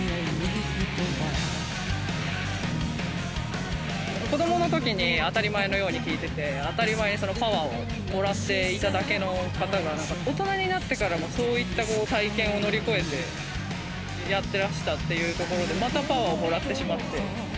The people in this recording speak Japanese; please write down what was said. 女性：子どもの時に当たり前のように聴いてて当たり前にパワーをもらっていただけの方が大人になってからもそういった体験を乗り越えてやってらしたっていうところでまたパワーをもらってしまって。